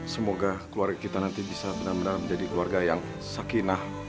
semoga keluarga kita nanti bisa benar benar menjadi keluarga yang sakinah